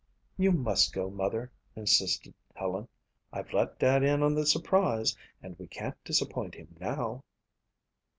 "You must go, Mother," insisted Helen. "I've let Dad in on the surprise and we can't disappoint him now."